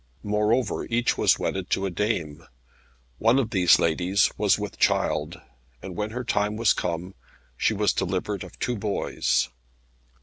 Moreover each was wedded to a dame. One of these ladies was with child, and when her time was come, she was delivered of two boys.